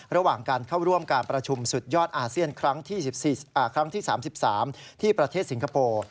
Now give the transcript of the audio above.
ระหว่างการเข้าร่วมการประชุมสุดยอดอาเซียนครั้งที่๓๓ที่ประเทศสิงคโปร์